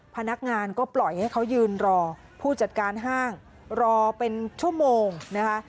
พนักงานก็ปล่อยให้เขายืนรอผู้จัดการห้างรอเป็นชั่วโมงนะคะ